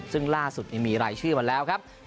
ซึ่งล่าสุดมีรายชื่อมาแล้วครับ